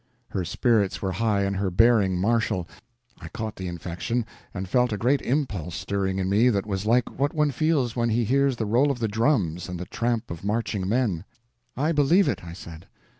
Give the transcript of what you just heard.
Her spirits were high, and her bearing martial. I caught the infection and felt a great impulse stirring in me that was like what one feels when he hears the roll of the drums and the tramp of marching men. "I believe it," I said.